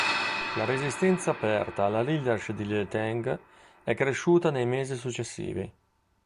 La resistenza aperta alla leadership di Leteng è cresciuta nei mesi successivi.